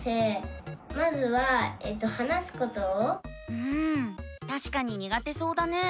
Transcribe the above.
うんたしかににがてそうだね。